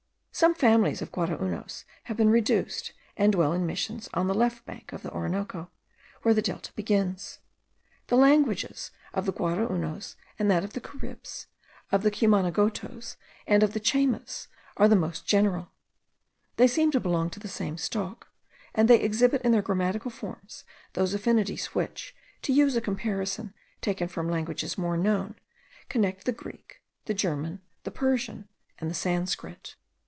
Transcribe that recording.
Some families of Guaraunos have been reduced and dwell in Missions on the left bank of the Orinoco, where the Delta begins. The languages of the Guaraunos and that of the Caribs, of the Cumanagotos and of the Chaymas, are the most general. They seem to belong to the same stock; and they exhibit in their grammatical forms those affinities, which, to use a comparison taken from languages more known, connect the Greek, the German, the Persian, and the Sanscrit.